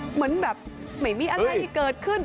เหมือนแบบไม่มีอะไรเกิดขึ้น